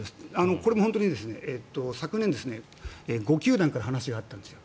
これも本当に昨年、５球団から話があったんですよ。